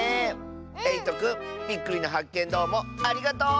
えいとくんびっくりなはっけんどうもありがとう！